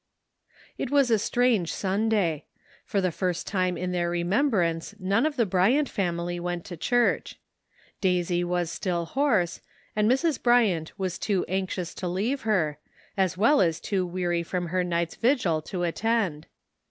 It was a strange Sunday ; for the first time in their remembrance none of the Bryant family went to church. Daisy was still hoarse, and Mrs. Bryant was too anxious to leave her, as well as too weary from her night's vigil to attend.